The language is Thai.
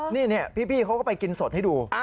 นี่เนี่ยพี่เค้าก็ไปกินสดให้ดู